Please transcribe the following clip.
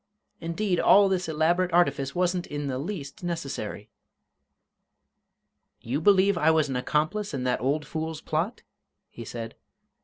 Indeed, all this elaborate artifice wasn't in the least necessary!" "You believe I was an accomplice in that old fool's plot?" he said.